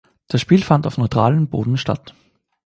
Das Spiel fand auf neutralen Boden statt.